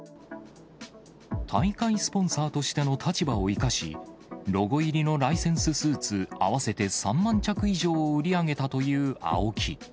大会スポンサーとしての立場を生かし、ロゴ入りのライセンススーツ合わせて３万着以上を売り上げたというＡＯＫＩ。